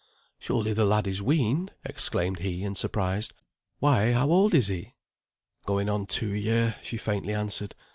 "Surely the lad is weaned!" exclaimed he, in surprise. "Why, how old is he?" "Going on two year," she faintly answered.